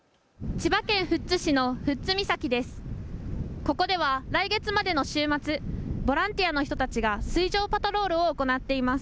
千葉県富津市の富津岬です。